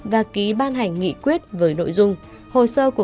và ký ban hành nghị quyết với nội dung